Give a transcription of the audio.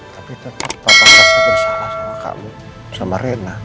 tapi tetap papa kasih bersalah sama kamu sama reina